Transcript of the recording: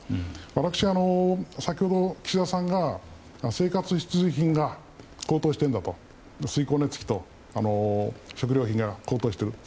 私、先ほど岸田さんが生活必需品が高騰しているんだとガス、光熱費、食料品が高騰していると。